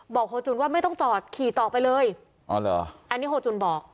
โฮจุนว่าไม่ต้องจอดขี่ต่อไปเลยอ๋อเหรออันนี้โฮจุนบอก